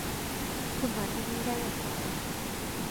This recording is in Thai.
คุณมาที่นี่ได้อย่างไร ?